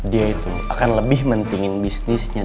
dia itu akan lebih mentingin bisnis skalanya